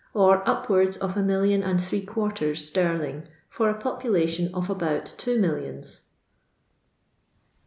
or upwards of a million and three quarters sterling for a population of about two millions